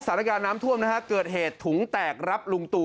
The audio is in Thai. สถานการณ์น้ำท่วมนะฮะเกิดเหตุถุงแตกรับลุงตู่